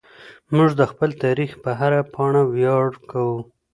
موږ د خپل تاریخ په هره پاڼه ویاړ کوو.